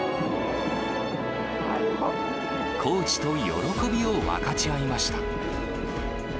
コーチと喜びを分かち合いました。